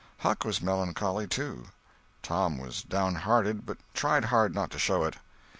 Huck was melancholy, too. Tom was downhearted, but tried hard not to show it.